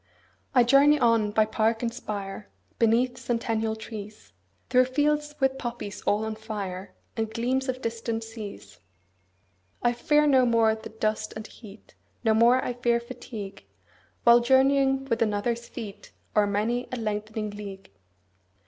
20 I journey on by park and spire, Beneath centennial trees, Through fields with poppies all on fire, And gleams of distant seas. I fear no more the dust and heat, 25 No more I fear fatigue, While journeying with another's feet O'er many a lengthening league.